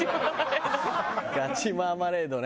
ガチマーマレードね。